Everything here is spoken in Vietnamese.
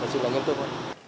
chính là nghiêm túc